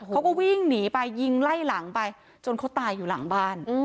เขาก็วิ่งหนีไปยิงไล่หลังไปจนเขาตายอยู่หลังบ้าน